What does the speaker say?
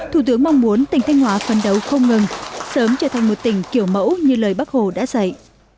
thủ tướng mong muốn tỉnh thanh hóa phấn đấu không ngừng sớm trở thành một tỉnh kiểu mẫu như lời bác hồ đã dạy